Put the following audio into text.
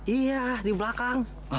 iya di belakang